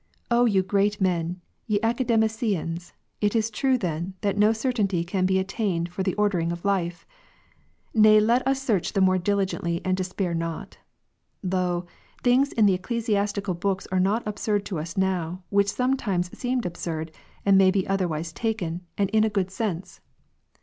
O ^'^^' you great men, ye Academicians, it is ti'ue then, that no certainty can be attained for the ordering of life ! Nay, let us search the more diligently, and despair not. Lo, things in the ecclesiastical books are not absurd to us now, which sometimes seemed absurd, and may be otherwise taken, and in a good sense.